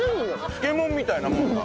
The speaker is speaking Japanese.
漬物みたいなもんだ。